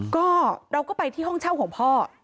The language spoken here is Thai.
ก็เราก็ไปที่ห้องเช่าของพ่อ